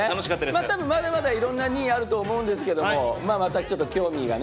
多分まだまだいろんな２位あると思うんですけどもまたちょっと興味がね